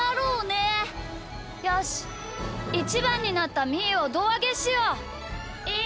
よしイチバンになったみーをどうあげしよう。